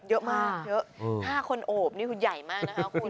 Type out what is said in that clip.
เยอะมาก๕คนโอบนี่คุณใหญ่มากนะคะ